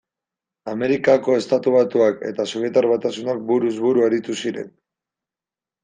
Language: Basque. Amerikako Estatu Batuak eta Sobietar Batasunak buruz buru aritu ziren.